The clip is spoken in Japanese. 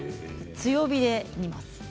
強火で煮ます。